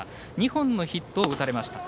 ２本のヒットを打たれました。